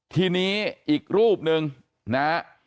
ทีนี้อีกรูปหนึ่งนะฮะ